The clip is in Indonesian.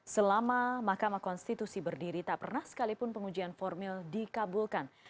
selama mahkamah konstitusi berdiri tak pernah sekalipun pengujian formil dikabulkan